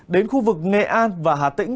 đến khu vực nghệ an và hà tĩnh